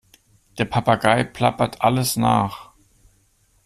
Der Papagei plappert alles nach.